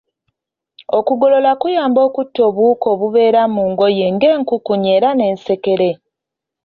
Okugolola kuyamba okutta obuwuka obubeera mu ngoye ng'enkukunyi era n'ensekere.